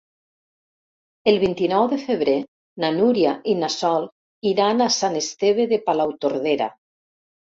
El vint-i-nou de febrer na Núria i na Sol iran a Sant Esteve de Palautordera.